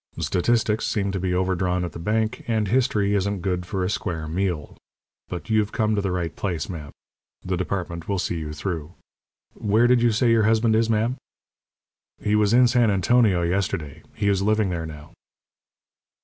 Statistics seem to be overdrawn at the bank, and History isn't good for a square meal. But you've come to the right place, ma'am. The department will see you through. Where did you say your husband is, ma'am?" "He was in San Antonio yesterday. He is living there now."